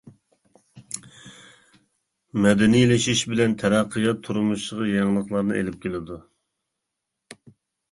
مەدەنىيلىشىش بىلەن تەرەققىيات تۇرمۇشقا يېڭىلىقلارنى ئېلىپ كېلىدۇ.